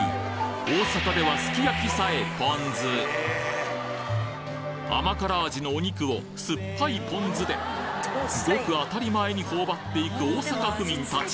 大阪では甘辛味のお肉を酸っぱいポン酢でごく当たり前に頬張っていく大阪府民達